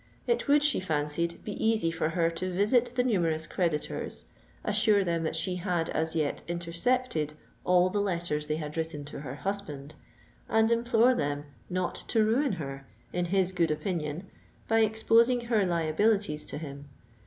It would, she fancied, be easy for her to visit the numerous creditors, assure them that she had as yet intercepted all the letters they had written to her husband, and implore them not to ruin her in his good opinion by exposing her liabilities to him.